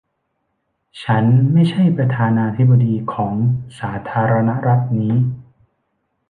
ฉันไม่ใช่ประธานาธิบดีของสาธารณรัฐนี้